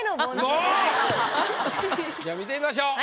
じゃあ見てみましょう。